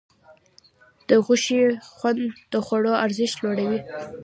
د غوښې خوند د خوړو ارزښت لوړوي.